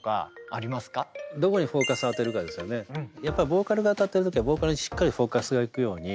ボーカルがあたってる時はボーカルにしっかりフォーカスがいくように。